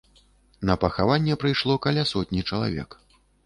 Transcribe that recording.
На пахаванне прыйшло каля сотні чалавек.